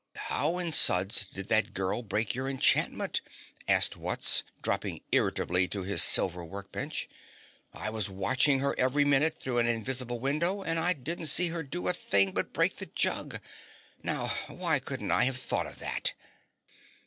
"How in suds did that girl break your enchantment?" asked Wutz, dropping irritably to his silver workbench. "I was watching her every minute through an invisible window and I didn't see her do a thing but break the jug. Now why couldn't I have thought of that?"